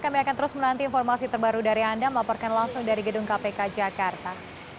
kami akan terus menanti informasi terbaru dari anda melaporkan langsung dari gedung kpk jakarta